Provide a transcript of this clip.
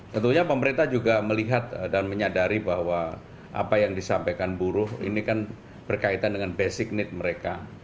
tentunya pemerintah juga melihat dan menyadari bahwa apa yang disampaikan buruh ini kan berkaitan dengan basic need mereka